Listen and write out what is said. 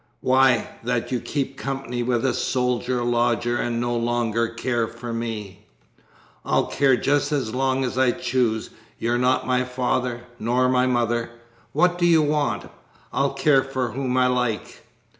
'Why, that you keep company with a soldier lodger and no longer care for me!' 'I'll care just as long as I choose. You're not my father, nor my mother. What do you want? I'll care for whom I like!'